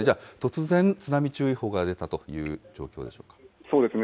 突然、津波注意報が出たという状そうですね。